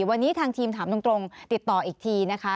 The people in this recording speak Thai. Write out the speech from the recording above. วันนี้ทางทีมถามตรงติดต่ออีกทีนะคะ